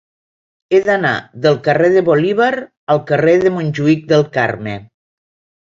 He d'anar del carrer de Bolívar al carrer de Montjuïc del Carme.